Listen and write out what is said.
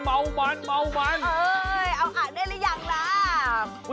เออเอาอักได้หรือยังค่ะ